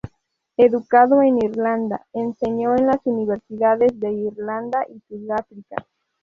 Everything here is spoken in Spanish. Educado en Irlanda, enseñó en las universidades de Irlanda y Sudáfrica.